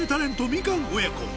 みかん親子